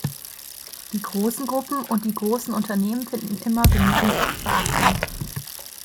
Die großen Gruppen und die großen Unternehmen finden immer genügend Beachtung.